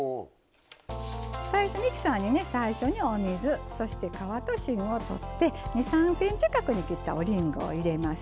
最初ミキサーにお水皮を取って２３ｃｍ角に切ったおりんごを入れます。